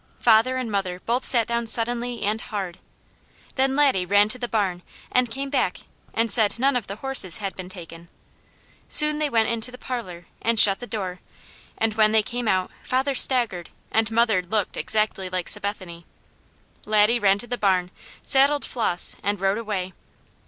Father and mother both sat down suddenly and hard. Then Laddie ran to the barn and came back and said none of the horses had been taken. Soon they went into the parlour and shut the door, and when they came out father staggered and mother looked exactly like Sabethany. Laddie ran to the barn, saddled Flos and rode away.